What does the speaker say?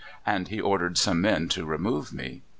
and he ordered some men to remove me."